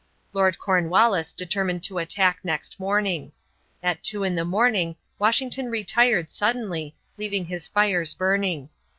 Lord Cornwallis determined to attack next morning. At two in the morning Washington retired suddenly, leaving his fires burning.